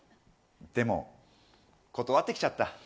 でも断ってきちゃった。